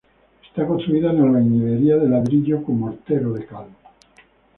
Está construida en albañilería de ladrillo con mortero de cal.